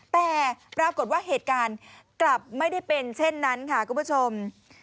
แต่ปรากฏว่าเหตุการณ์กลับไม่ได้เป็นเช่นนั้นค่ะคุณผู้ชม